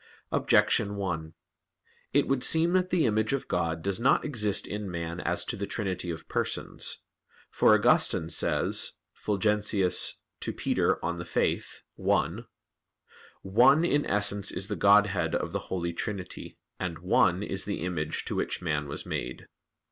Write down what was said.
Objection 1: It would seem that the image of God does not exist in man as to the Trinity of Persons. For Augustine says (Fulgentius De Fide ad Petrum i): "One in essence is the Godhead of the Holy Trinity; and one is the image to which man was made."